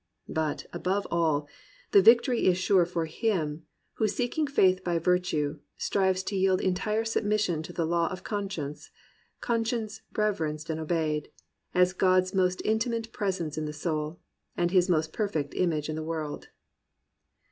But, above all, the victory is sure For him, who seeking faith by virtue, strives To yield entire submission to the law Of conscience — conscience reverenced and obeyed. As God's most intimate presence in the soul. And his most perfect image in the world."